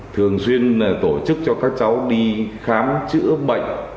thường xuyên tổ chức cho các cháu đi khám chữa bệnh